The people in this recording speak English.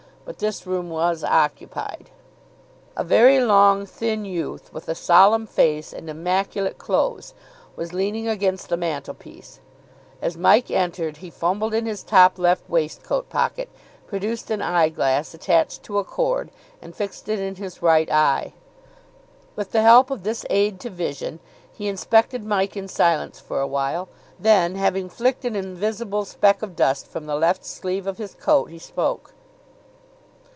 But this room was occupied. A very long, thin youth, with a solemn face and immaculate clothes, was leaning against the mantelpiece. As Mike entered, he fumbled in his top left waistcoat pocket, produced an eyeglass attached to a cord, and fixed it in his right eye. With the help of this aid to vision he inspected Mike in silence for a while, then, having flicked an invisible speck of dust from the left sleeve of his coat, he spoke.